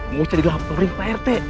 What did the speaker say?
mau jadi laporin ke pak rt